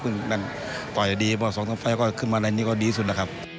พี่เม็ดพลิกก็เพิ่งต่อยได้ดีเพราะสองตั้งไฟขึ้นมาในนี้ก็ดีสุดนะครับ